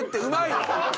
うまい！